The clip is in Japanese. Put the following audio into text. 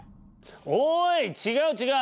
おい違う違う！